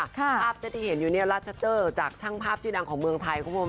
ภาพที่เห็นอยู่เนี่ยราชเตอร์จากช่างภาพชื่อดังของเมืองไทยคุณผู้ชม